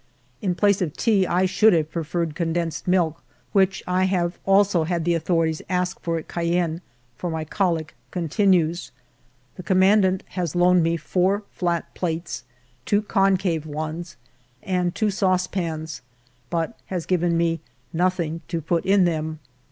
In place of tea I should have preferred condensed milk, which I have also had the authorities ask for at Cayenne, for my colic continues. The commandant has loaned me four flat plates, two concave ones, and two saucepans, but has given me nothing to put in them.